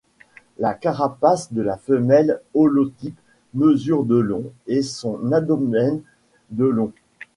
La carapace de la femelle holotype mesure de long et son abdomen de long.